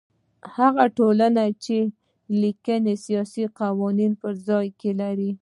هغه ټولنې چې لیکلي اساسي قوانین په ځان کې لري.